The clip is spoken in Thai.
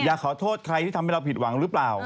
อยากขอโทษใครที่ทำให้เราผิดหวังหรือเปล่า